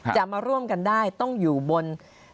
จะมาร่วมกันได้ต้องอยู่บน